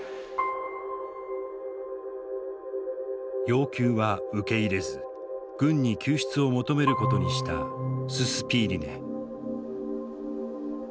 要求は受け入れず軍に救出を求めることにしたススピーリネ。